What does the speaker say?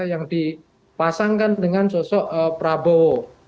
yang dipasangkan dengan sosok prabowo